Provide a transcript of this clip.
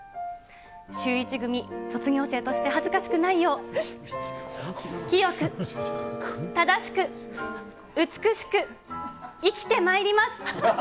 シューイチ組卒業生として恥ずかしくないよう、清く、正しく、美しく生きてまいります。